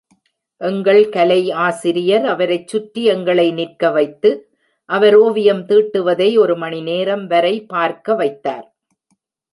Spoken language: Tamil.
எங்கள் கலை ஆசிரியர் அவரைச் சுற்றி எங்களை நிற்க வைத்து, அவர் ஓவியம் தீட்டுவதை ஒரு மணி நேரம் வரை பார்க்க வைத்தார்.